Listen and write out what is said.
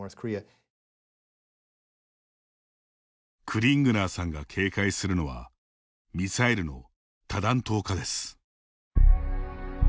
クリングナーさんが警戒するのはミサイルの多弾頭化です。